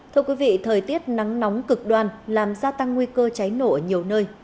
thưa quý vị thời tiết nắng nóng cực đoan làm gia tăng nguy cơ cháy nổ ở nhiều nơi